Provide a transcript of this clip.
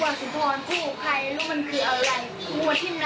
ว่าที่นางเลือกลวนสัมภาพกับพระอาฬไทย